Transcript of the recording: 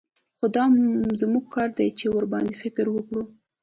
خو دا زموږ کار دى چې ورباندې فکر وکړو.